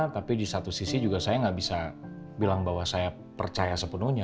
tapi di satu sisi juga saya nggak bisa bilang bahwa saya percaya sepenuhnya